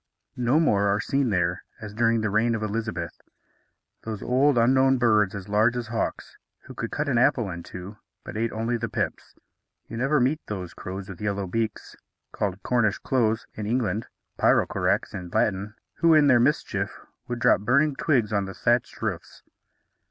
No more are seen there, as during the reign of Elizabeth, those old unknown birds as large as hawks, who could cut an apple in two, but ate only the pips. You never meet those crows with yellow beaks, called Cornish choughs in English, pyrrocorax in Latin, who, in their mischief, would drop burning twigs on thatched roofs.